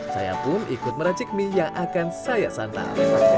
saya pun ikut meracik mie yang akan saya santap